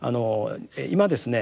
今ですね